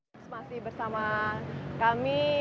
masih masih bersama kami